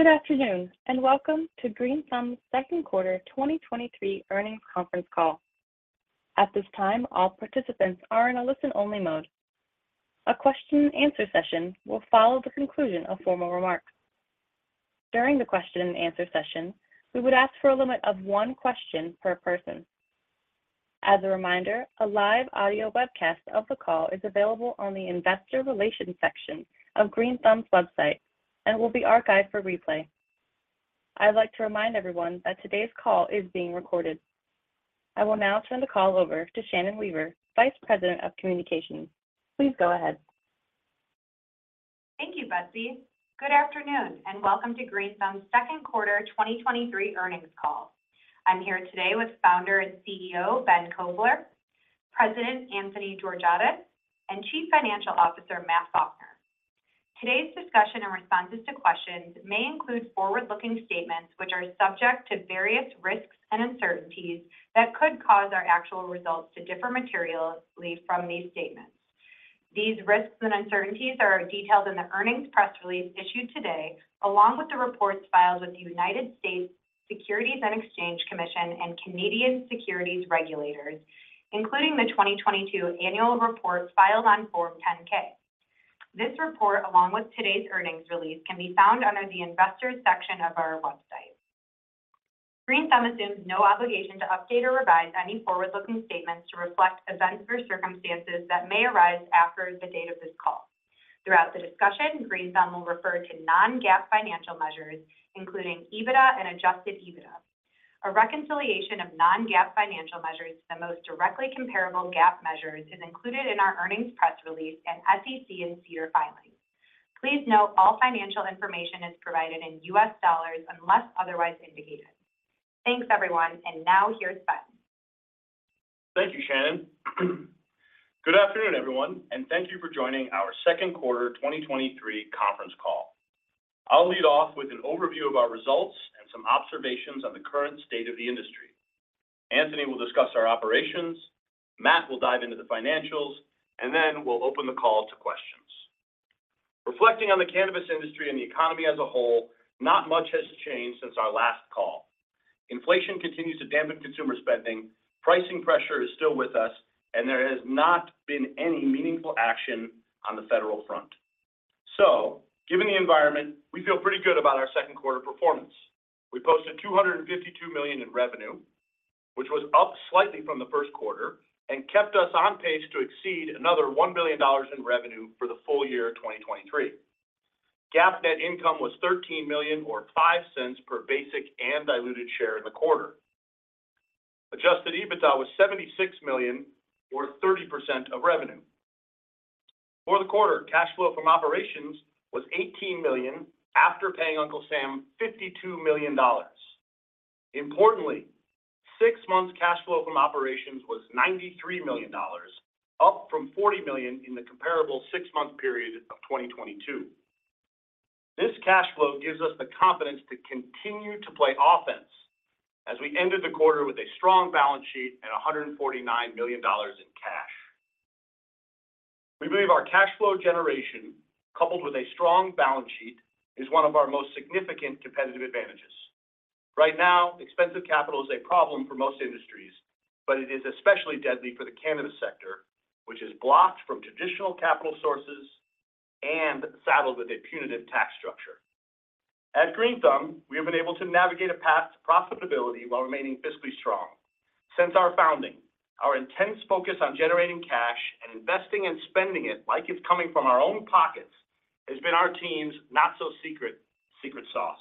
Good afternoon, and welcome to Green Thumb's second quarter 2023 earnings conference call. At this time, all participants are in a listen-only mode. A Q&A session will follow the conclusion of formal remarks. During the question and answer session, we would ask for a limit of one question per person. As a reminder, a live audio webcast of the call is available on the Investor Relations section of Green Thumb's website and will be archived for replay. I'd like to remind everyone that today's call is being recorded. I will now turn the call over to Shannon Weaver, Vice President of Communications. Please go ahead. Thank you, Betsy. Good afternoon, and welcome to Green Thumb's second quarter 2023 earnings call. I'm here today with founder and CEO, Ben Kovler, President Anthony Georgiadis, and Chief Financial Officer, Matt Faulkner. Today's discussion and responses to questions may include forward-looking statements, which are subject to various risks and uncertainties that could cause our actual results to differ materially from these statements. These risks and uncertainties are detailed in the earnings press release issued today, along with the reports filed with the United States Securities and Exchange Commission and Canadian securities regulators, including the 2022 annual report filed on Form 10-K. This report, along with today's earnings release, can be found under the Investors section of our website. Green Thumb assumes no obligation to update or revise any forward-looking statements to reflect events or circumstances that may arise after the date of this call. Throughout the discussion, Green Thumb will refer to non-GAAP financial measures, including EBITDA and adjusted EBITDA. A reconciliation of non-GAAP financial measures to the most directly comparable GAAP measures is included in our earnings press release and SEC and SEDAR filings. Please note, all financial information is provided in US dollars unless otherwise indicated. Thanks, everyone, and now here's Ben. Thank you, Shannon. Good afternoon, everyone, thank you for joining our second quarter 2023 conference call. I'll lead off with an overview of our results and some observations on the current state of the industry. Anthony will discuss our operations, Matt will dive into the financials, we'll open the call to questions. Reflecting on the cannabis industry and the economy as a whole, not much has changed since our last call. Inflation continues to dampen consumer spending, pricing pressure is still with us, there has not been any meaningful action on the federal front. Given the environment, we feel pretty good about our second quarter performance. We posted $252 million in revenue, which was up slightly from the first quarter and kept us on pace to exceed another $1 billion in revenue for the full year of 2023. GAAP net income was $13 million, or $0.05 per basic and diluted share in the quarter. Adjusted EBITDA was $76 million, or 30% of revenue. For the quarter, cash flow from operations was $18 million after paying Uncle Sam $52 million. Importantly, six months cash flow from operations was $93 million, up from $40 million in the comparable six-month period of 2022. This cash flow gives us the confidence to continue to play offense as we ended the quarter with a strong balance sheet and $149 million in cash. We believe our cash flow generation, coupled with a strong balance sheet, is one of our most significant competitive advantages. Right now, expensive capital is a problem for most industries. It is especially deadly for the cannabis sector, which is blocked from traditional capital sources and saddled with a punitive tax structure. At Green Thumb, we have been able to navigate a path to profitability while remaining fiscally strong. Since our founding, our intense focus on generating cash and investing and spending it like it's coming from our own pockets has been our team's not-so-secret secret sauce.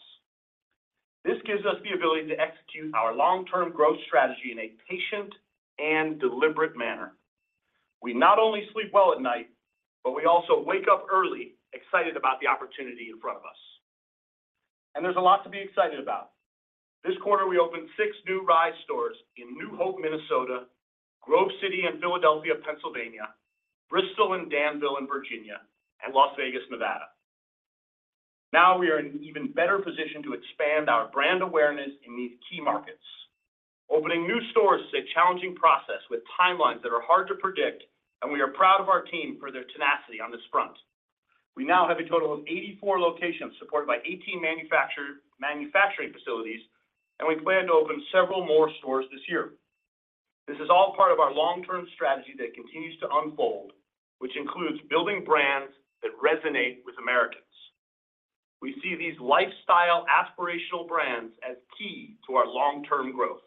This gives us the ability to execute our long-term growth strategy in a patient and deliberate manner. We not only sleep well at night, but we also wake up early, excited about the opportunity in front of us, and there's a lot to be excited about. This quarter, we opened six new RISE stores in New Hope, Minnesota, Grove City and Philadelphia, Pennsylvania, Bristol and Danville in Virginia, and Las Vegas, Nevada. Now, we are in an even better position to expand our brand awareness in these key markets. Opening new stores is a challenging process with timelines that are hard to predict, and we are proud of our team for their tenacity on this front. We now have a total of 84 locations, supported by 18 manufacturing facilities, and we plan to open several more stores this year. This is all part of our long-term strategy that continues to unfold, which includes building brands that resonate with Americans. We see these lifestyle aspirational brands as key to our long-term growth.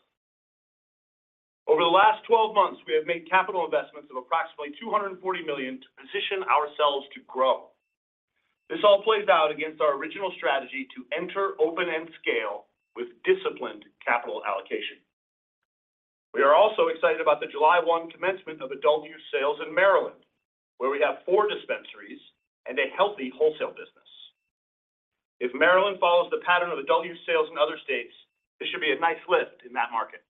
Over the last 12 months, we have made capital investments of approximately $240 million to position ourselves to grow. This all plays out against our original strategy to enter, open, and scale with disciplined capital allocation. We are also excited about the July 1 commencement of adult use sales in Maryland, where we have four dispensaries and a healthy wholesale business. If Maryland follows the pattern of adult use sales in other states, this should be a nice lift in that market.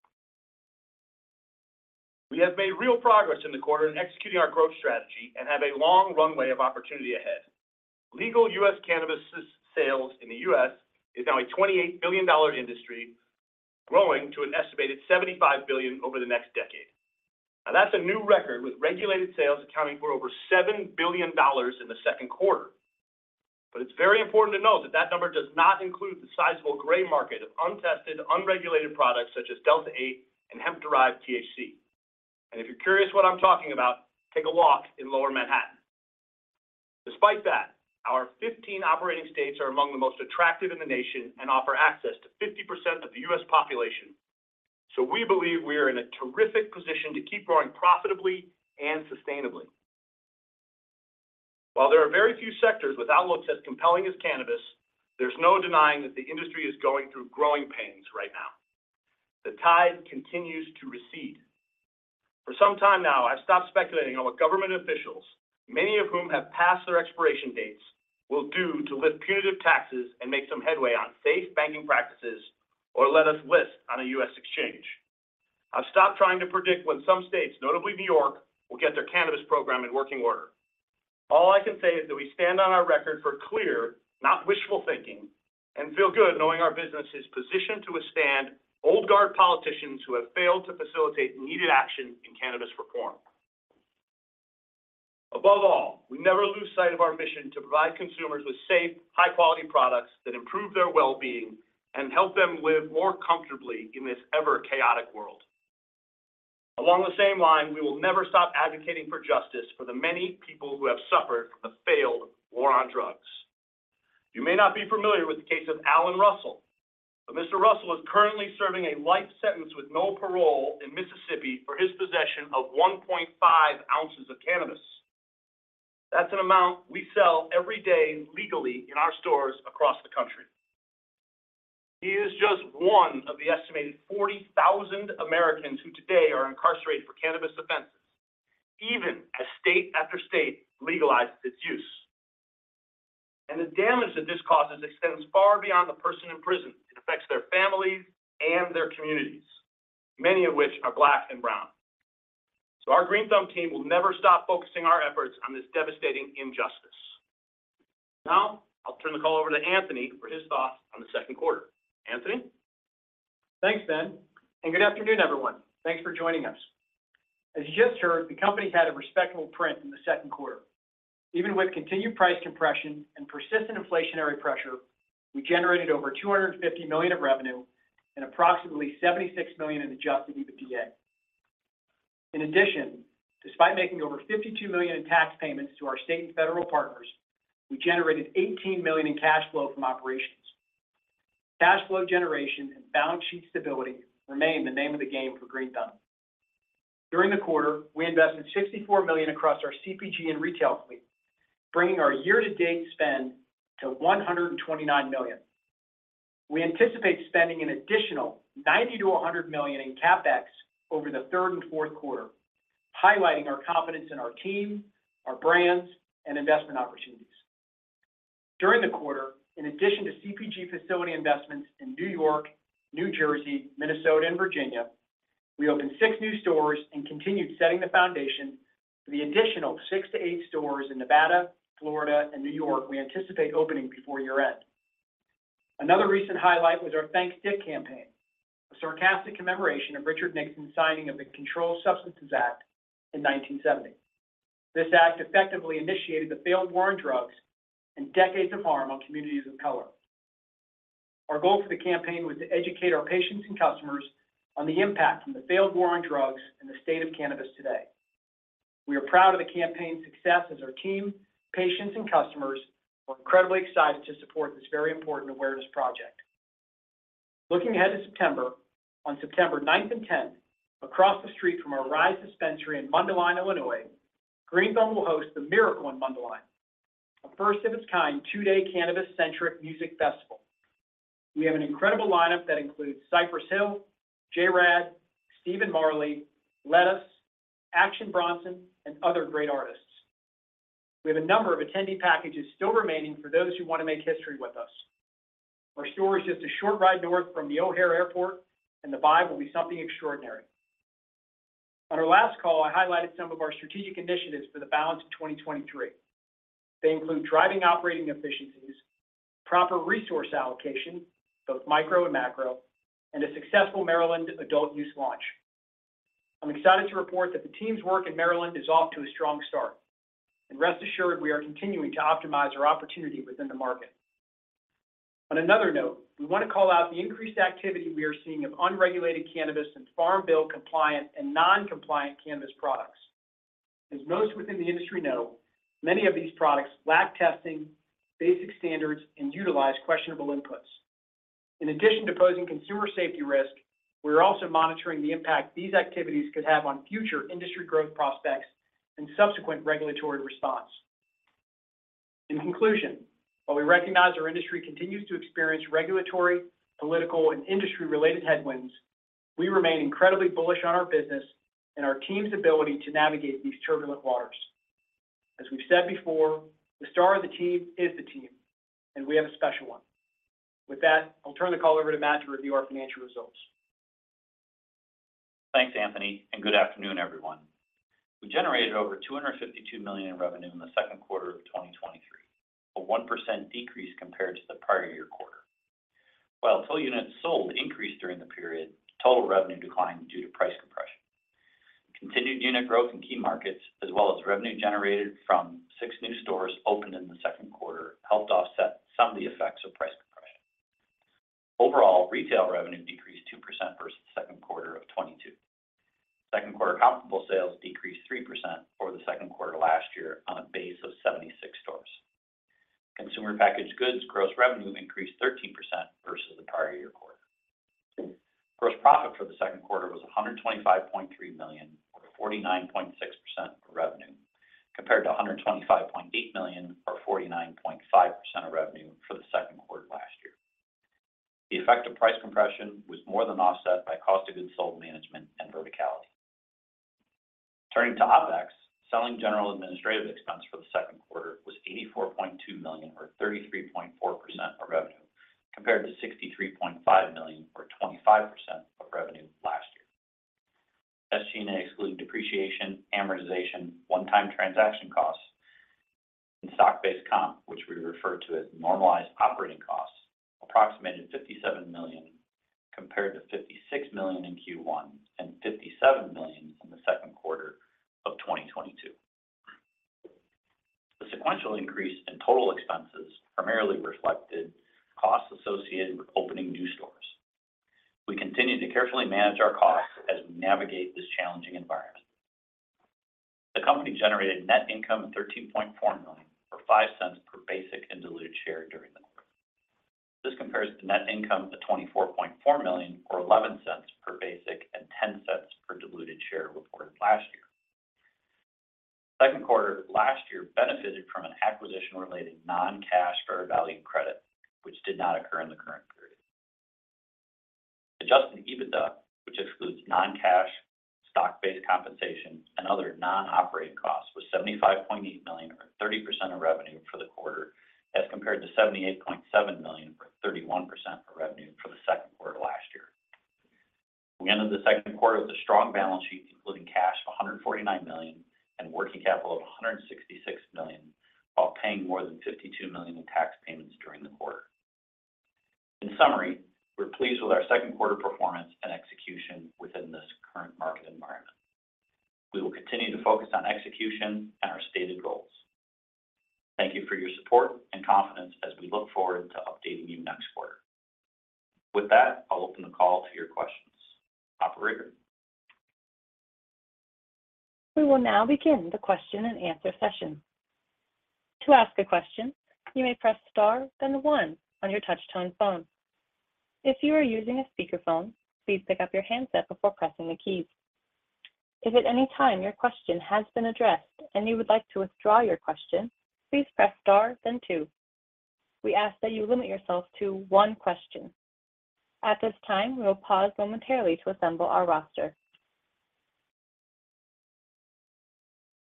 We have made real progress in the quarter in executing our growth strategy and have a long runway of opportunity ahead. Legal US cannabis sales in the US is now a $28 billion industry, growing to an estimated $75 billion over the next decade. That's a new record, with regulated sales accounting for over $7 billion in the second quarter. It's very important to note that that number does not include the sizable gray market of untested, unregulated products such as Delta-8 and hemp-derived THC. If you're curious what I'm talking about, take a walk in Lower Manhattan. Despite that, our 15 operating states are among the most attractive in the nation and offer access to 50% of the US population. We believe we are in a terrific position to keep growing profitably and sustainably. While there are very few sectors with outlooks as compelling as cannabis, there's no denying that the industry is going through growing pains right now. The tide continues to recede. For some time now, I've stopped speculating on what government officials, many of whom have passed their expiration dates, will do to lift punitive taxes and make some headway on safe banking practices or let us list on a US exchange. I've stopped trying to predict when some states, notably New York, will get their cannabis program in working order. All I can say is that we stand on our record for clear, not wishful thinking, and feel good knowing our business is positioned to withstand old guard politicians who have failed to facilitate needed action in cannabis reform. Above all, we never lose sight of our mission to provide consumers with safe, high-quality products that improve their well-being and help them live more comfortably in this ever-chaotic world. Along the same line, we will never stop advocating for justice for the many people who have suffered from the failed war on drugs. You may not be familiar with the case of Allen Russell, Mr. Russell is currently serving a life sentence with no parole in Mississippi for his possession of 1.5 ounces of cannabis. That's an amount we sell every day legally in our stores across the country. He is just one of the estimated 40,000 Americans who today are incarcerated for cannabis offenses, even as state after state legalizes its use. The damage that this causes extends far beyond the person in prison. It affects their families and their communities, many of which are black and brown. Our Green Thumb team will never stop focusing our efforts on this devastating injustice. Now, I'll turn the call over to Anthony for his thoughts on the second quarter. Anthony? Thanks, Ben, and good afternoon, everyone. Thanks for joining us. As you just heard, the company had a respectable print in the second quarter. Even with continued price compression and persistent inflationary pressure, we generated over $250 million of revenue and approximately $76 million in adjusted EBITDA. In addition, despite making over $52 million in tax payments to our state and federal partners, we generated $18 million in cash flow from operations. Cash flow generation and balance sheet stability remain the name of the game for Green Thumb. During the quarter, we invested $64 million across our CPG and retail fleet, bringing our year-to-date spend to $129 million. We anticipate spending an additional $90 million-$100 million in CapEx over the third and fourth quarter, highlighting our confidence in our team, our brands, and investment opportunities. During the quarter, in addition to CPG facility investments in New York, New Jersey, Minnesota, and Virginia, we opened six new stores and continued setting the foundation for the additional six to eight stores in Nevada, Florida, and New York we anticipate opening before year-end. Another recent highlight was our Thank Stick campaign, a sarcastic commemoration of Richard Nixon's signing of the Controlled Substances Act in 1970. This act effectively initiated the failed war on drugs and decades of harm on communities of color. Our goal for the campaign was to educate our patients and customers on the impact from the failed war on drugs and the state of cannabis today. We are proud of the campaign's success, as our team, patients, and customers were incredibly excited to support this very important awareness project. Looking ahead to September, on September 9th and 10th, across the street from our RISE dispensary in Mundelein, Illinois, Green Thumb will host The Miracle in Mundelein, a first-of-its-kind, two-day cannabis-centric music festival. We have an incredible lineup that includes Cypress Hill, JRAD, Stephen Marley, Lettuce, Action Bronson, and other great artists. We have a number of attendee packages still remaining for those who want to make history with us. Our store is just a short ride north from the O'Hare Airport, and the vibe will be something extraordinary. On our last call, I highlighted some of our strategic initiatives for the balance of 2023. They include driving operating efficiencies, proper resource allocation, both micro and macro, and a successful Maryland adult use launch. I'm excited to report that the team's work in Maryland is off to a strong start, and rest assured, we are continuing to optimize our opportunity within the market. On another note, we want to call out the increased activity we are seeing of unregulated cannabis and Farm Bill-compliant and non-compliant cannabis products. As most within the industry know, many of these products lack testing, basic standards, and utilize questionable inputs. In addition to posing consumer safety risk, we are also monitoring the impact these activities could have on future industry growth prospects and subsequent regulatory response. In conclusion, while we recognize our industry continues to experience regulatory, political, and industry-related headwinds, we remain incredibly bullish on our business and our team's ability to navigate these turbulent waters. As we've said before, the star of the team is the team, and we have a special one. With that, I'll turn the call over to Matt to review our financial results. Thanks, Anthony. Good afternoon, everyone. We generated over $252 million in revenue in the second quarter of 2023, a 1% decrease compared to the prior year quarter. While total units sold increased during the period, total revenue declined due to price compression. Continued unit growth in key markets, as well as revenue generated from six new stores opened in the second quarter, helped offset some of the effects of price compression. Overall, retail revenue decreased 2% versus the second quarter of 2022. Second quarter comparable sales decreased 3% over the second quarter last year on a base of 76 stores. Consumer packaged goods gross revenue increased 13% versus the prior year quarter. Gross profit for the second quarter was $125.3 million, or 49.6% of revenue, compared to $125.8 million, or 49.5% of revenue for the second quarter last year. The effect of price compression was more than offset by cost of goods sold management and verticality. Turning to OpEx, selling general administrative expense for the second quarter was $84.2 million, or 33.4% of revenue, compared to $63.5 million or 25% of revenue last year. As seen, excluding depreciation, amortization, one-time transaction costs, and stock-based comp, which we refer to as normalized operating costs, approximated $57 million, compared to $56 million in Q1 and $57 million in the second quarter of 2022. The sequential increase in total expenses primarily reflected costs associated with opening new stores. We continue to carefully manage our costs as we navigate this challenging environment. The company generated net income of $13.4 million, or $0.05 per basic and diluted share during the quarter. This compares to net income of $24.4 million, or $0.11 per basic and $0.10 per diluted share reported last year. Second quarter of last year benefited from an acquisition-related non-cash fair value credit, which did not occur in the current period. Adjusted EBITDA, which excludes non-cash, stock-based compensation, and other non-operating costs, was $75.8 million, or 30% of revenue for the quarter, as compared to $78.7 million, or 31% of revenue for the second quarter last year. We ended the second quarter with a strong balance sheet, including cash of $149 million and working capital of $166 million, while paying more than $52 million in tax payments during the quarter. In summary, we're pleased with our second quarter performance and execution within this current market environment. We will continue to focus on execution and our stated goals. Thank you for your support and confidence as we look forward to updating you next quarter. With that, I'll open the call to your questions. Operator? We will now begin the question and answer session. To ask a question, you may press star, then one on your touch-tone phone. If you are using a speakerphone, please pick up your handset before pressing the keys. If at any time your question has been addressed and you would like to withdraw your question, please press star then two. We ask that you limit yourself to one question. At this time, we will pause momentarily to assemble our roster.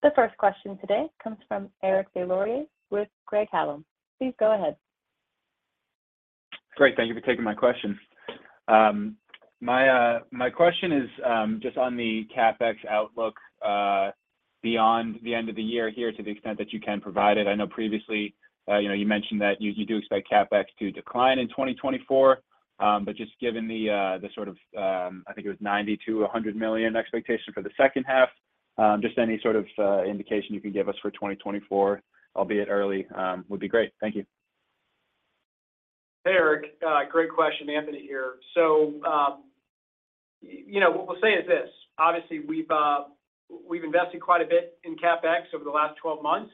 The first question today comes from Eric Des Lauriers with Craig-Hallum. Please go ahead. Great. Thank you for taking my question. My question is just on the CapEx outlook beyond the end of the year here, to the extent that you can provide it. I know previously, you know, you mentioned that you, you do expect CapEx to decline in 2024, but just given the sort of, I think it was $90 million-$100 million expectation for the second half, just any sort of indication you can give us for 2024, albeit early, would be great. Thank you. Hey, Eric, great question. Anthony here. You know, what we'll say is this: obviously, we've, we've invested quite a bit in CapEx over the last 12 months.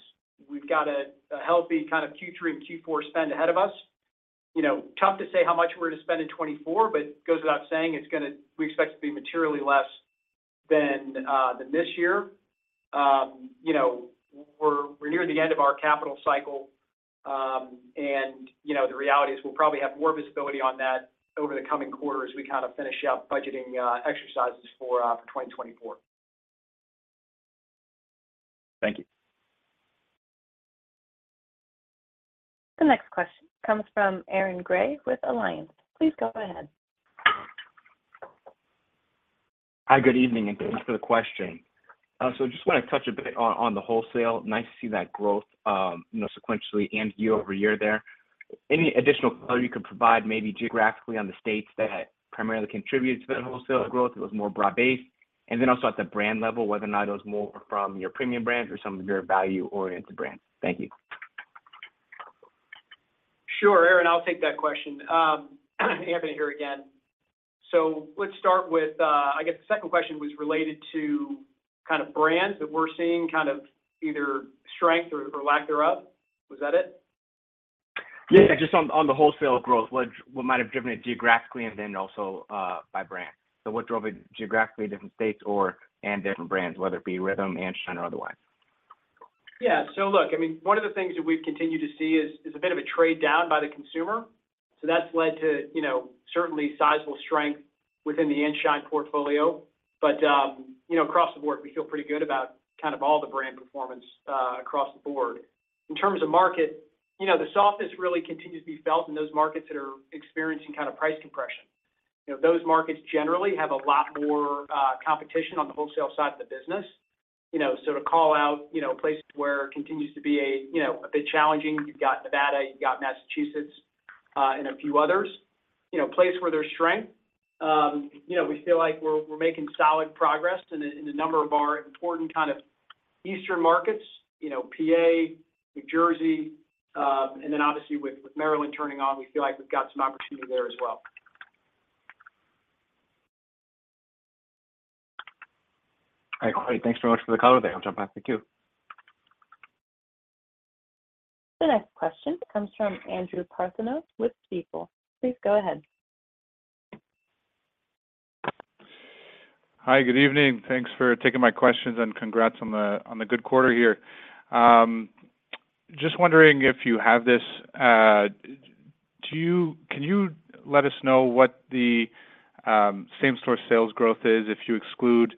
We've got a, a healthy kind of Q3 and Q4 spend ahead of us. You know, tough to say how much we're to spend in 2024, but it goes without saying, it's gonna-- we expect to be materially less than, than this year. You know, we're, we're near the end of our capital cycle, and, you know, the reality is we'll probably have more visibility on that over the coming quarter as we kind of finish up budgeting, exercises for, for 2024. Thank you. The next question comes from Aaron Grey with Alliance. Please go ahead. Hi, good evening, and thanks for the question. Just want to touch a bit on, on the wholesale. Nice to see that growth, you know, sequentially and year-over-year there. Any additional color you could provide, maybe geographically, on the states that primarily contributed to the wholesale growth? It was more broad-based. Also at the brand level, whether or not it was more from your premium brands or some of your value-oriented brands. Thank you. Sure, Aaron, I'll take that question. Anthony here again. Let's start with, I guess the second question was related to kind of brands that we're seeing, kind of either strength or, or lack thereof. Was that it? Yeah, just on, on the wholesale growth, what, what might have driven it geographically and then also, by brand? What drove it geographically different states or, and different brands, whether it be RYTHM, Insignia, or otherwise? Yeah. Look, I mean, one of the things that we've continued to see is, is a bit of a trade down by the consumer. That's led to, you know, certainly sizable strength within the Insignia portfolio. You know, across the board, we feel pretty good about kind of all the brand performance across the board. In terms of market, you know, the softness really continues to be felt in those markets that are experiencing kind of price compression. You know, those markets generally have a lot more, competition on the wholesale side of the business. You know, so to call out, you know, places where it continues to be a, you know, a bit challenging, you've got Nevada, you've got Massachusetts, and a few others. You know, place where there's strength, you know, we feel like we're, we're making solid progress in a, in a number of our important kind of eastern markets, you know, PA, New Jersey, and then obviously with, with Maryland turning on, we feel like we've got some opportunity there as well. All right, great. Thanks so much for the call today. I'll jump back to the queue. The next question comes from Andrew Partheniou with Stifel. Please go ahead. Hi, good evening, thanks for taking my questions, and congrats on the, on the good quarter here. Just wondering if you have this, can you let us know what the same-store sales growth is if you exclude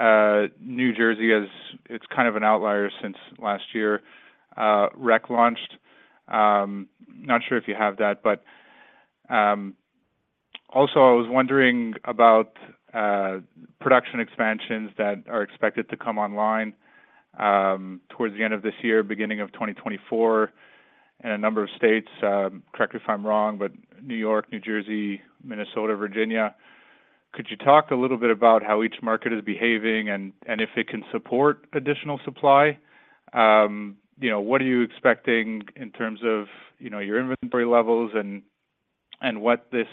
New Jersey, as it's kind of an outlier since last year, Rec launched? Not sure if you have that, also, I was wondering about production expansions that are expected to come online towards the end of this year, beginning of 2024, in a number of states. Correct me if I'm wrong, New York, New Jersey, Minnesota, Virginia. Could you talk a little bit about how each market is behaving, and, and if it can support additional supply? You know, what are you expecting in terms of, you know, your inventory levels and, and what this,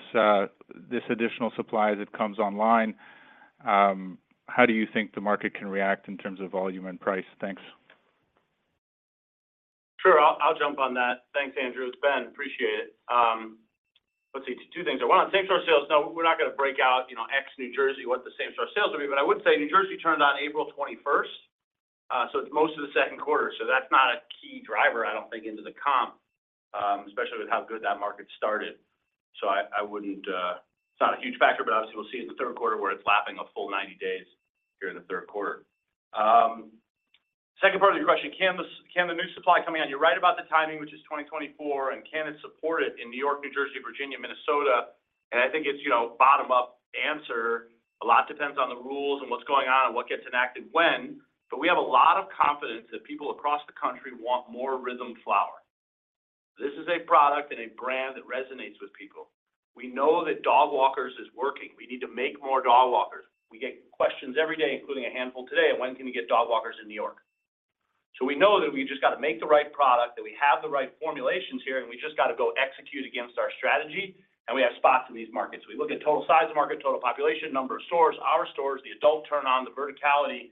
this additional supply as it comes online, how do you think the market can react in terms of volume and price? Thanks. Sure. I'll, I'll jump on that. Thanks, Andrew. It's Ben, appreciate it. Let's see, two things. First, same-store sales. No, we're not going to break out, you know, ex New Jersey, what the same-store sales will be. I would say New Jersey turned on April 21st, so it's most of the Q2, so that's not a key driver, I don't think, into the comp, especially with how good that market started. I, I wouldn't... It's not a huge factor, but obviously, we'll see it in the Q3, where it's lapping a full 90 days here in the Q3. 2nd part of your question, can the, can the new supply coming on, you're right about the timing, which is 2024, and can it support it in New York, New Jersey, Virginia, Minnesota? I think it's, you know, bottom-up answer. A lot depends on the rules and what's going on and what gets enacted when, but we have a lot of confidence that people across the country want more RYTHM flower. This is a product and a brand that resonates with people. We know that Dogwalkers is working. We need to make more Dogwalkers. We get questions every day, including a handful today, "When can we get Dogwalkers in New York?" We know that we've just got to make the right product, that we have the right formulations here, and we just got to go execute against our strategy, and we have spots in these markets. We look at total size of market, total population, number of stores, our stores, the adult turn on, the verticality.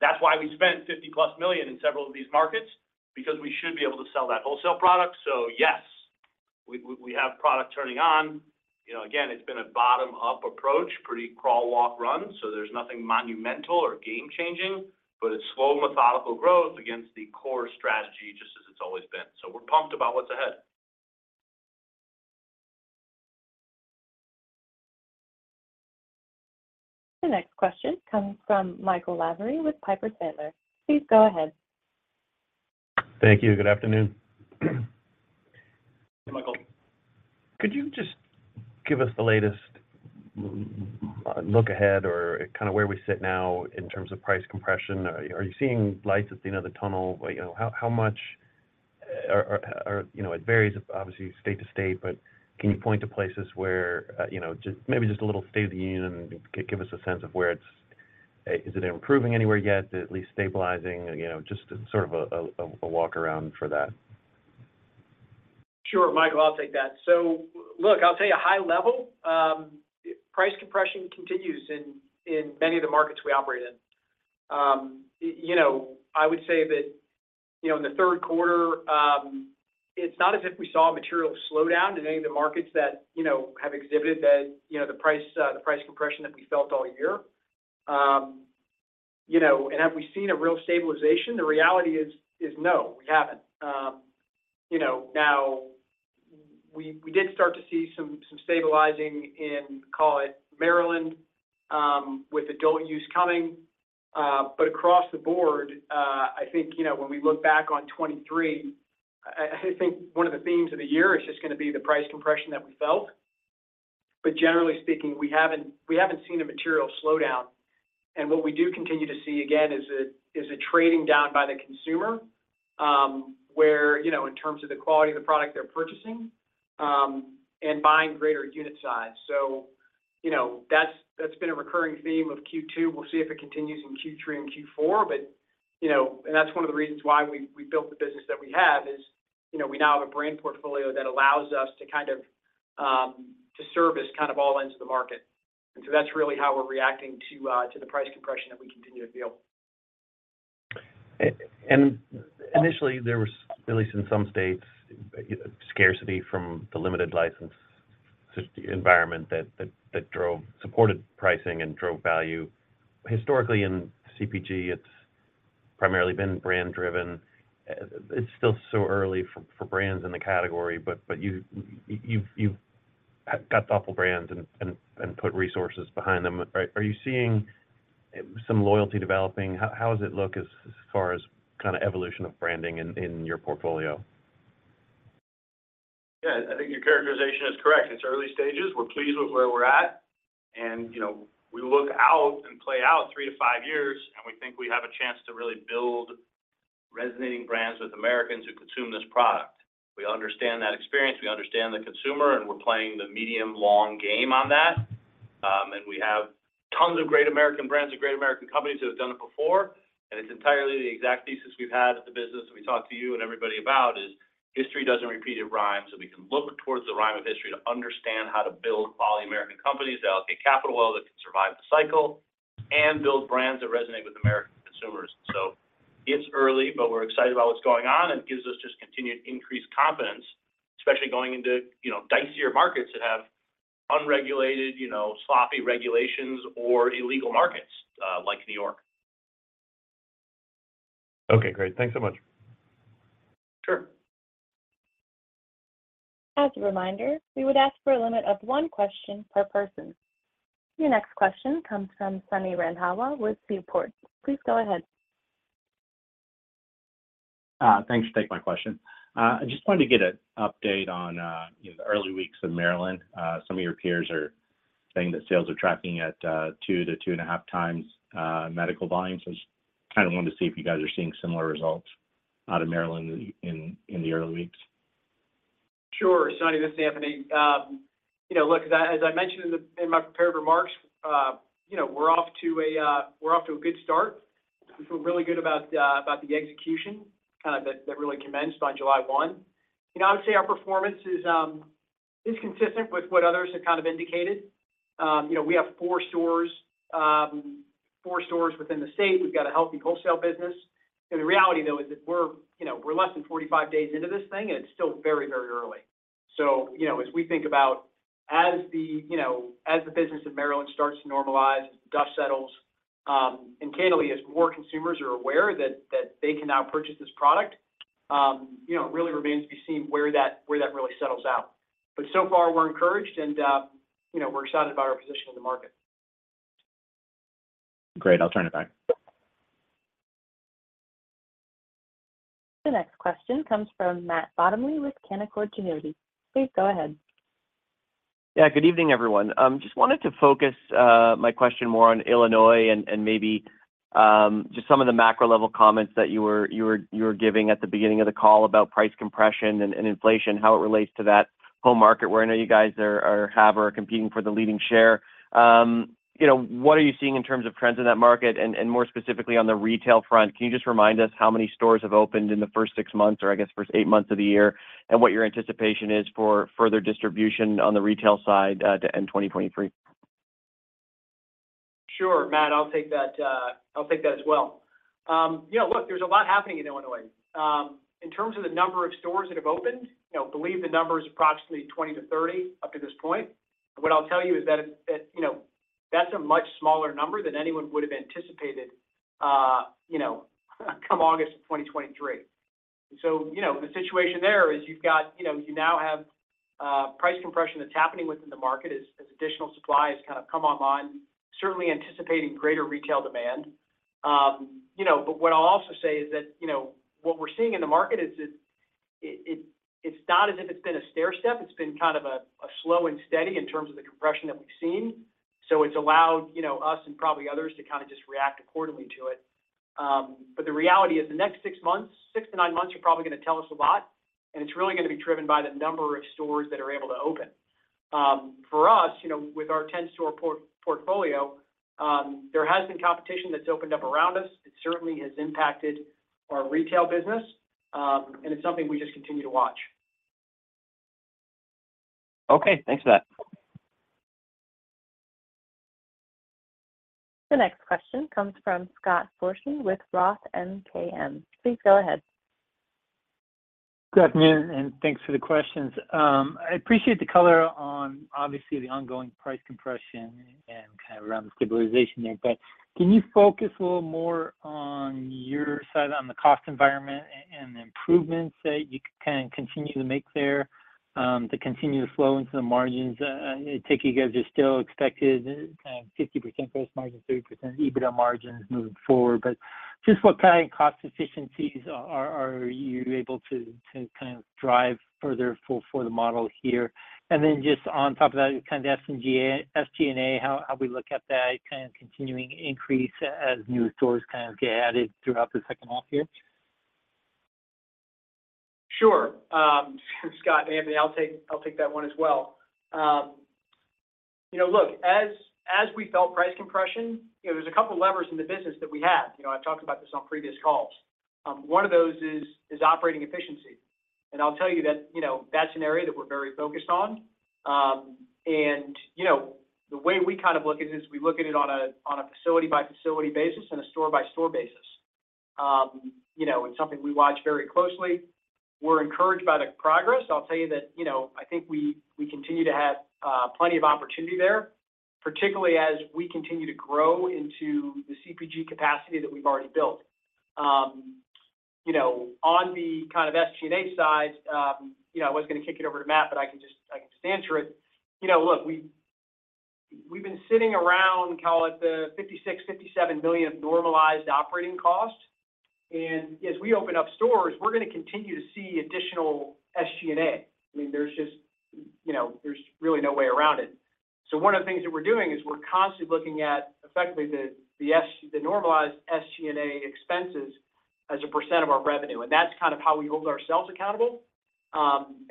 That's why we spent $50+ million in several of these markets, because we should be able to sell that wholesale product. Yes, we, we, we have product turning on. You know, again, it's been a bottom-up approach, pretty crawl, walk, run, so there's nothing monumental or game-changing, but it's slow, methodical growth against the core strategy, just as it's always been. We're pumped about what's ahead. The next question comes from Michael Lavery with Piper Sandler. Please go ahead. Thank you. Good afternoon. Hey, Michael. Could you just give us the latest look ahead or kind of where we sit now in terms of price compression? Are you seeing lights at the end of the tunnel? You know, how, how much, or, or, or, you know, it varies obviously state to state, but can you point to places where, you know, just maybe just a little state of the union and give us a sense of where it's... Is it improving anywhere yet, at least stabilizing? You know, just sort of a, a, a walk around for that. Sure, Michael, I'll take that. Look, I'll tell you, a high level, price compression continues in many of the markets we operate in. You know, I would say that, you know, in the third quarter, it's not as if we saw a material slowdown in any of the markets that, you know, have exhibited that, you know, the price, the price compression that we felt all year. You know, have we seen a real stabilization? The reality is, is no, we haven't. You know, now, we did start to see some stabilizing in, call it Maryland, with adult use coming. Across the board, I think, you know, when we look back on 2023, I, I think one of the themes of the year is just going to be the price compression that we felt. Generally speaking, we haven't, we haven't seen a material slowdown, and what we do continue to see, again, is a, is a trading down by the consumer, where, you know, in terms of the quality of the product they're purchasing, and buying greater unit size. You know, that's, that's been a recurring theme of Q2. We'll see if it continues in Q3 and Q4, you know, and that's one of the reasons why we, we built the business that we have is, you know, we now have a brand portfolio that allows us to kind of, to service kind of all ends of the market. That's really how we're reacting to, to the price compression that we continue to feel. Initially, there was, at least in some states, scarcity from the limited license environment that drove. Supported pricing and drove value. Historically, in CPG, it's primarily been brand driven. It's still so early for brands in the category, but you've got thoughtful brands and put resources behind them, right? Are you seeing some loyalty developing? How does it look as far as kind of evolution of branding in your portfolio? Yeah, I think your characterization is correct. It's early stages. We're pleased with where we're at, and, you know, we look out and play out three to five years, and we think we have a chance to really build resonating brands with Americans who consume this product. We understand that experience, we understand the consumer, and we're playing the medium long game on that. We have tons of great American brands and great American companies that have done it before, and it's entirely the exact thesis we've had at the business, and we talked to you and everybody about is history doesn't repeat it rhymes, so we can look towards the rhyme of history to understand how to build quality American companies that allocate capital well, that can survive the cycle and build brands that resonate with American consumers. It's early, but we're excited about what's going on, and it gives us just continued increased confidence, especially going into, you know, dicier markets that have unregulated, you know, sloppy regulations or illegal markets, like New York. Okay, great. Thanks so much. Sure. As a reminder, we would ask for a limit of one question per person. Your next question comes from Sunny Randhawa with Freeport. Please go ahead. Thanks for taking my question. I just wanted to get an update on, you know, the early weeks of Maryland. Some of your peers are saying that sales are tracking at 2-2.5x medical volume. I just kind of wanted to see if you guys are seeing similar results out of Maryland in, in the early weeks. Sure, Sunny, this is Anthony. You know, look, as I, as I mentioned in the, in my prepared remarks, you know, we're off to a, we're off to a good start. We feel really good about, about the execution, kinda that, that really commenced on July one. You know, I would say our performance is, is consistent with what others have kind of indicated. You know, we have four stores, four stores within the state. We've got a healthy wholesale business, and the reality, though, is that we're, you know, we're less than 45 days into this thing, and it's still very, very early. You know, as we think about as the, you know, as the business of Maryland starts to normalize, dust settles, and candidly, as more consumers are aware that, that they can now purchase this product, you know, it really remains to be seen where that, where that really settles out. So far, we're encouraged, and, you know, we're excited about our position in the market. Great. I'll turn it back. The next question comes from Matt Bottomley with Canaccord Genuity. Please go ahead. Yeah, good evening, everyone. Just wanted to focus my question more on Illinois and, and maybe, just some of the macro-level comments that you were, you were, you were giving at the beginning of the call about price compression and, and inflation, how it relates to that home market, where I know you guys are, are, have or are competing for the leading share. You know, what are you seeing in terms of trends in that market? And, and more specifically on the retail front, can you just remind us how many stores have opened in the first six months, or I guess first eight months of the year, and what your anticipation is for further distribution on the retail side, to end 2023? Sure, Matt, I'll take that, I'll take that as well. Yeah, look, there's a lot happening in Illinois. In terms of the number of stores that have opened, I believe the number is approximately 20 to 30 up to this point. What I'll tell you is that, that, you know, that's a much smaller number than anyone would have anticipated, you know, come August 2023. You know, the situation there is you've got, you know, you now have price compression that's happening within the market as, as additional supply has kind of come online, certainly anticipating greater retail demand. You know, what I'll also say is that, you know, what we're seeing in the market is it, it, it's not as if it's been a stairstep, it's been kind of a, a slow and steady in terms of the compression that we've seen. It's allowed, you know, us and probably others to kind of just react accordingly to it. The reality is the next six months, six to nine months are probably going to tell us a lot, and it's really going to be driven by the number of stores that are able to open. For us, you know, with our 10-store portfolio, there has been competition that's opened up around us. It certainly has impacted our retail business, it's something we just continue to watch. Okay, thanks for that. The next question comes from Scott Fortune with ROTH MKM. Please go ahead. Good afternoon, and thanks for the questions. I appreciate the color on obviously the ongoing price compression and kind of around the stabilization there. Can you focus a little more on your side, on the cost environment and, and the improvements that you can continue to make there, to continue to flow into the margins? I take it you guys are still expected, 50% gross margin, 3% EBITDA margins moving forward. Just what kind of cost efficiencies are, are you able to, to kind of drive further for, for the model here? Then just on top of that, kind of SG&A, how, how we look at that kind of continuing increase as new stores kind of get added throughout the second half year. Sure. Scott, Anthony, I'll take, I'll take that one as well. You know, look, as, as we felt price compression, you know, there's a couple of levers in the business that we had. You know, I've talked about this on previous calls. One of those is, is operating efficiency, and I'll tell you that, you know, that's an area that we're very focused on. And, you know, the way we kind of look at this, we look at it on a, on a facility-by-facility basis and a store-by-store basis. You know, it's something we watch very closely. We're encouraged by the progress. I'll tell you that, you know, I think we, we continue to have plenty of opportunity there, particularly as we continue to grow into the CPG capacity that we've already built. You know, on the kind of SG&A side, you know, I was gonna kick it over to Matt, but I can just- I can just answer it. You know, look, we-... we've been sitting around, call it the $56 million-$57 million of normalized operating costs. As we open up stores, we're gonna continue to see additional SG&A. I mean, there's just, you know, there's really no way around it. One of the things that we're doing is we're constantly looking at, effectively, the, the S- the normalized SG&A expenses as a % of our revenue, and that's kind of how we hold ourselves accountable.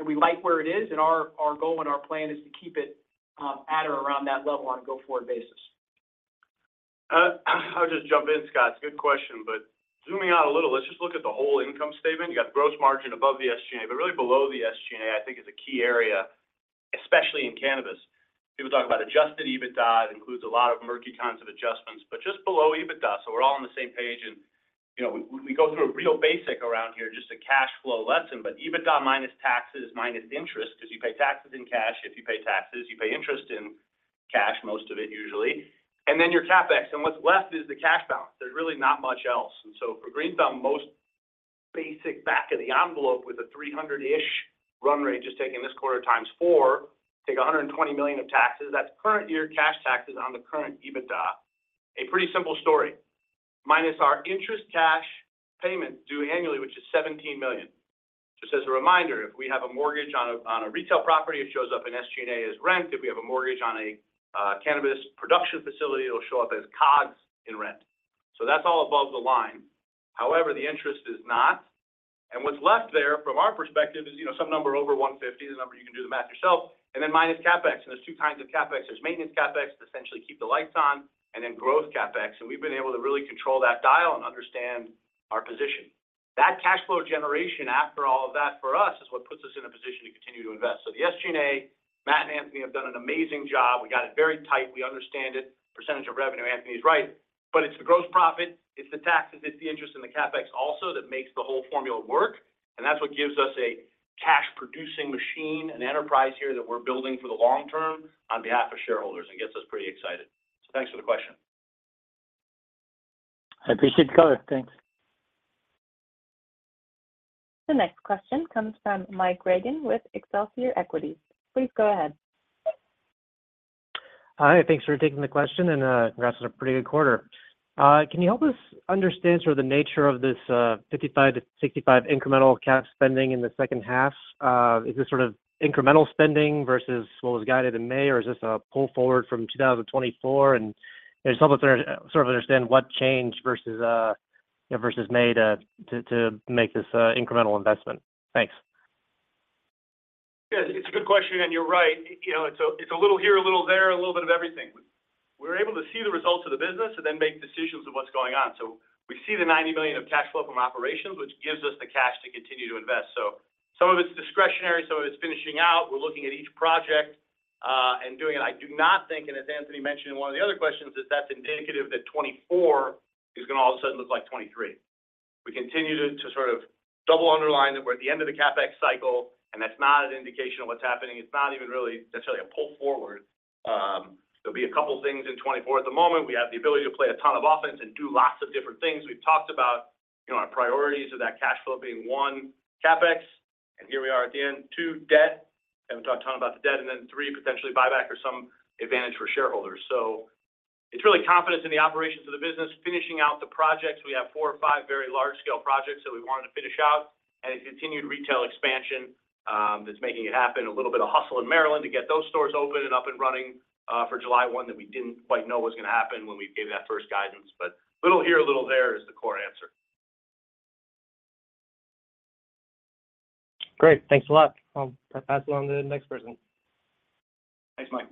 We like where it is, and our, our goal and our plan is to keep it at or around that level on a go-forward basis. I'll just jump in, Scott. It's a good question. Zooming out a little, let's just look at the whole income statement. You got the gross margin above the SG&A. Really below the SG&A, I think, is a key area, especially in cannabis. People talk about adjusted EBITDA. It includes a lot of murky kinds of adjustments. Just below EBITDA, so we're all on the same page. You know, we, we go through a real basic around here, just a cash flow lesson. EBITDA minus taxes, minus interest, 'cause you pay taxes in cash, if you pay taxes, you pay interest in cash, most of it usually, then your CapEx, what's left is the cash balance. There's really not much else. So for Green Thumb, most basic back of the envelope with a $300 million-ish run rate, just taking this quarter times four, take $120 million of taxes, that's current year cash taxes on the current EBITDA. A pretty simple story. Minus our interest cash payment due annually, which is $17 million. Just as a reminder, if we have a mortgage on a retail property, it shows up in SG&A as rent. If we have a mortgage on a cannabis production facility, it'll show up as COGS in rent. So that's all above the line. However, the interest is not. What's left there, from our perspective, is, you know, some number over $150 million, the number you can do the math yourself, and then minus CapEx. There's two kinds of CapEx. There's maintenance CapEx, to essentially keep the lights on, and then growth CapEx, and we've been able to really control that dial and understand our position. That cash flow generation, after all of that for us, is what puts us in a position to continue to invest. The SG&A, Matt and Anthony have done an amazing job. We got it very tight. We understand it. Percentage of revenue, Anthony is right, but it's the gross profit, it's the taxes, it's the interest in the CapEx also that makes the whole formula work, and that's what gives us a cash-producing machine and enterprise here that we're building for the long term on behalf of shareholders and gets us pretty excited. Thanks for the question. I appreciate the color. Thanks. The next question comes from Mike Regan with Excelsior Equities. Please go ahead. Hi, thanks for taking the question, and congrats on a pretty good quarter. Can you help us understand sort of the nature of this $55 million-$65 million incremental CapEx spending in the second half? Is this sort of incremental spending versus what was guided in May, or is this a pull forward from 2024? Just help us understand what changed versus, you know, versus May to make this incremental investment. Thanks. Yeah, it's a good question, and you're right. You know, it's a little here, a little there, a little bit of everything. We're able to see the results of the business and then make decisions of what's going on. We see the $90 million of cash flow from operations, which gives us the cash to continue to invest. Some of it's discretionary, some of it's finishing out. We're looking at each project and doing it. I do not think, and as Anthony mentioned in one of the other questions, is that's indicative that 2024 is gonna all of a sudden look like 2023. We continue to sort of double underline that we're at the end of the CapEx cycle, and that's not an indication of what's happening. It's not even really necessarily a pull forward. There'll be a couple of things in 2024. At the moment, we have the ability to play a ton of offense and do lots of different things. We've talked about, you know, our priorities of that cash flow being one, CapEx, and here we are at the end. Two, debt, and we've talked a ton about the debt, and then three, potentially buyback or some advantage for shareholders. It's really confidence in the operations of the business, finishing out the projects. We have four or five very large-scale projects that we wanted to finish out, and a continued retail expansion that's making it happen. A little bit of hustle in Maryland to get those stores open and up and running for July 1, that we didn't quite know was gonna happen when we gave that first guidance. A little here, a little there is the core answer. Great. Thanks a lot. I'll pass along to the next person. Thanks, Mike.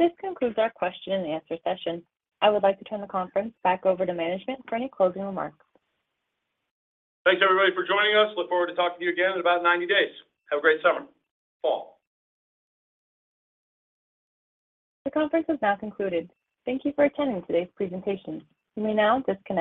This concludes our question and answer session. I would like to turn the conference back over to management for any closing remarks. Thanks, everybody, for joining us. Look forward to talking to you again in about 90 days. Have a great summer. Fall. The conference is now concluded. Thank you for attending today's presentation. You may now disconnect.